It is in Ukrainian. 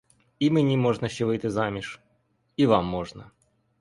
І мені можна ще вийти заміж, і вам можна.